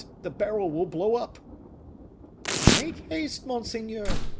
the barrel will blow up!" "Make haste, monseigneur!"